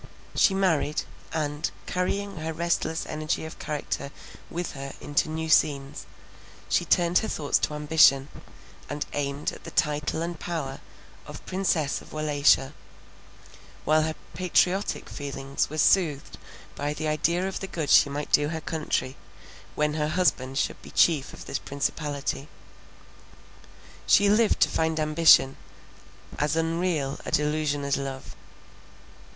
She married; and, carrying her restless energy of character with her into new scenes, she turned her thoughts to ambition, and aimed at the title and power of Princess of Wallachia; while her patriotic feelings were soothed by the idea of the good she might do her country, when her husband should be chief of this principality. She lived to find ambition, as unreal a delusion as love.